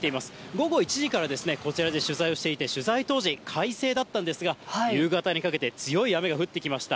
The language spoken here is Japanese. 午後１時からこちらで取材をしていて、取材当時、快晴だったんですが、夕方にかけて強い雨が降ってきました。